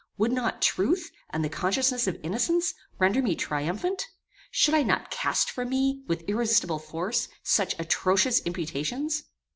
Would not truth, and the consciousness of innocence, render me triumphant? Should I not cast from me, with irresistible force, such atrocious imputations?